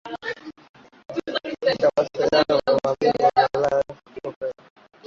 Na kwenye mashindano ya mabingwa Ulaya akipewa